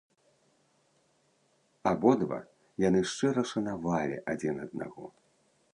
Абодва яны шчыра шанавалі адзін аднаго.